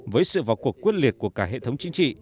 với sự vào cuộc quyết liệt của cả hệ thống chính trị